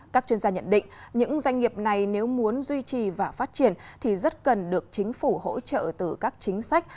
các chuyên gia nhận định những doanh nghiệp này nếu muốn duy trì và phát triển thì rất cần được chính phủ hỗ trợ từ các chính sách